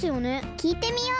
きいてみよう。